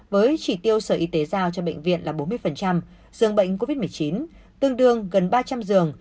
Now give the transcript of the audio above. với chỉ tiêu sở y tế giao cho bệnh viện là bốn mươi giường bệnh covid một mươi chín tương đương gần ba trăm linh giường